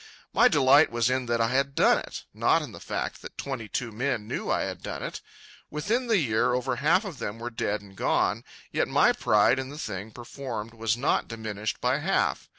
My delight was in that I had done it—not in the fact that twenty two men knew I had done it. Within the year over half of them were dead and gone, yet my pride in the thing performed was not diminished by half.